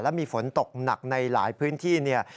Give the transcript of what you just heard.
และมีฝนตกหนักในหลายพื้นที่เนี่ย